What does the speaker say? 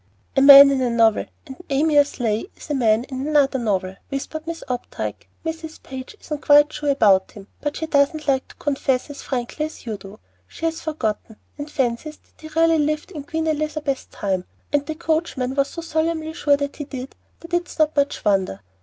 "A man in a novel, and Amyas Leigh is a man in another novel," whispered Miss Opdyke. "Mrs. Page isn't quite sure about him, but she doesn't like to confess as frankly as you do. She has forgotten, and fancies that he really lived in Queen Elizabeth's time; and the coachman was so solemnly sure that he did that it's not much wonder.